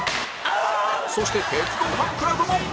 そして鉄道ファンクラブも